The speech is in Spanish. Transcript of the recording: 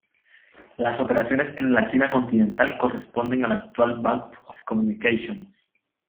Las operaciones en la China continental corresponden al actual Bank of Communications.